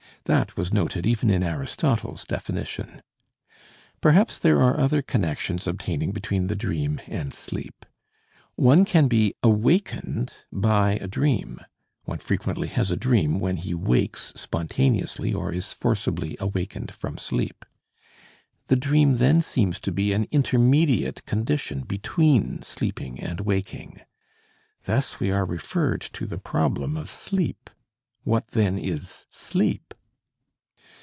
That was noted even in Aristotle's definition. Perhaps there are other connections obtaining between the dream and sleep. One can be awakened by a dream, one frequently has a dream when he wakes spontaneously or is forcibly awakened from sleep. The dream then seems to be an intermediate condition between sleeping and waking. Thus we are referred to the problem of sleep. What, then, is sleep?